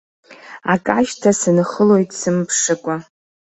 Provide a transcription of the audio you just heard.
Ак ашьҭа сынхылоит сымԥшыкәа.